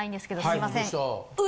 すいません。